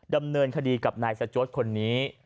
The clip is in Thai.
ดำเนินคดีกับนายสจวดคนนี้